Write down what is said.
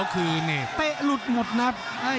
ภูตวรรณสิทธิ์บุญมีน้ำเงิน